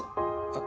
あっ。